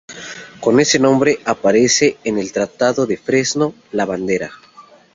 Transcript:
Con ese nombre aparece en el Tratado de Fresno-Lavandera.